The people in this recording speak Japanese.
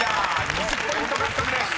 ２０ポイント獲得です］